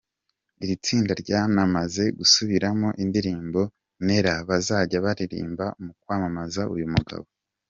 Iri tsinda ryanamaze gusubiramo indirimbo ‘Neera’ bazajya baririmba mu kwamamaza uyu mugabo.